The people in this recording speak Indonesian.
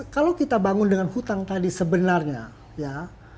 kalau kita bangun dengan hutang tadi sebenarnya ya